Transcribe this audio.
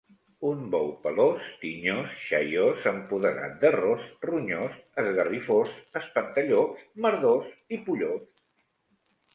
Un bou pelós, tinyós, xaiós, empudegat de ros, ronyós, esgarrifós, espantallops, merdós i pollós.